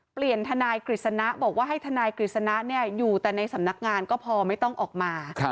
ทนายกฤษณะบอกว่าให้ทนายกฤษณะอยู่แต่ในสำนักงานก็พอไม่ต้องออกมา